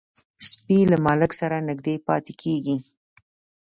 سپي له مالک سره نږدې پاتې کېږي.